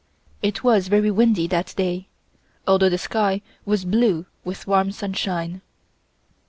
It was very windy that day, although the sky was blue with warm sunshine.